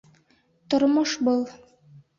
Тормош был!